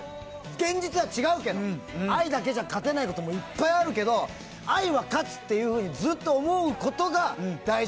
現実には違うけど愛だけじゃ勝てないこともいっぱいあるけど愛は勝つっていうふうにずっと思うことが大事。